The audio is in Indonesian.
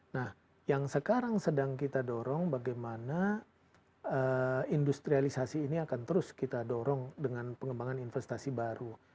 nah yang sekarang sedang kita dorong bagaimana industrialisasi ini akan terus kita dorong dengan pengembangan investasi baru